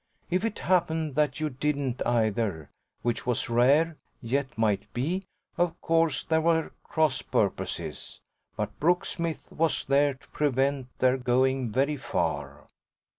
If it happened that you didn't either which was rare, yet might be of course there were cross purposes; but Brooksmith was there to prevent their going very far.